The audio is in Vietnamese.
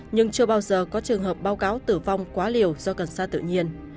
nhưng chưa bao giờ có trường hợp báo cáo tử vong quá liều do cần sa tự nhiên